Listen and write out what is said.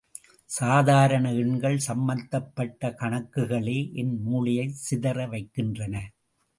சாதாரண எண்கள் சம்பந்தப்பட்ட கணக்குகளே என் மூளையைச் சிதற வைக்கின்றன.